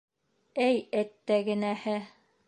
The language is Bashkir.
Эй, әттәгенәһе...